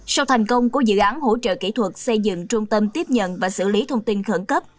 sau thành công của dự án hỗ trợ kỹ thuật xây dựng trung tâm tiếp nhận và xử lý thông tin khẩn cấp